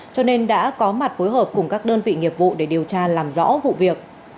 cho nên đã có mặt phối hợp cùng các đơn vị nghiệp vụ để điều tra làm rõ vụ việc